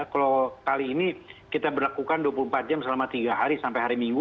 kalau kali ini kita berlakukan dua puluh empat jam selama tiga hari sampai hari minggu